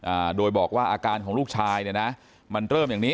อ่าโดยบอกว่าอาการของลูกชายเนี่ยนะมันเริ่มอย่างนี้